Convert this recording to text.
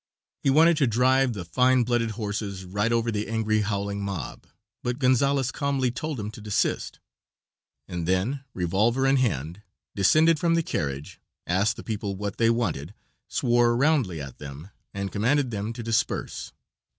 He wanted to drive the fine blooded horses right over the angry, howling mob, but Gonzales calmly told him to desist, and then, revolver in hand, descended from the carriage, asked the people what they wanted, swore roundly at them and commanded them to disperse.